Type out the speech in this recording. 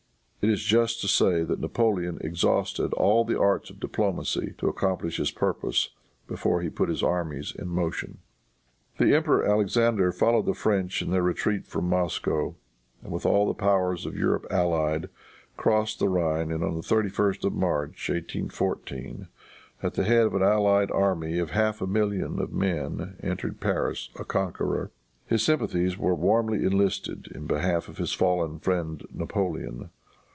It is just to say that Napoleon exhausted all the arts of diplomacy to accomplish his purpose before he put his armies in motion. The Emperor Alexander followed the French in their retreat from Moscow, and with all the powers of Europe allied, crossed the Rhine, and on the 31st of March, 1814, at the head of an allied army of half a million of men entered Paris a conqueror. His sympathies were warmly enlisted in behalf of his fallen friend Napoleon.